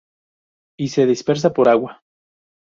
Y se dispersa por agua.